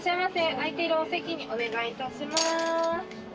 空いているお席にお願いします。